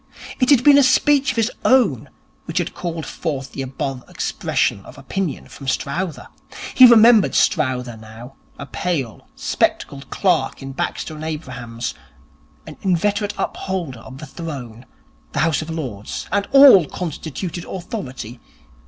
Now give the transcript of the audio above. It had been a speech of his own which had called forth the above expression of opinion from Strowther. He remembered Strowther now, a pale, spectacled clerk in Baxter and Abrahams, an inveterate upholder of the throne, the House of Lords and all constituted authority.